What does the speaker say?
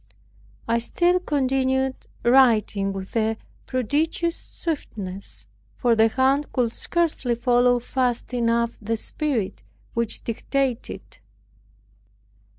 I still continued writing with a prodigious swiftness; for the hand could scarcely follow fast enough the Spirit which dictated.